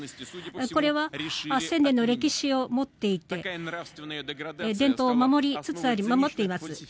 これは１０００年の歴史を持っていて伝統を守っています。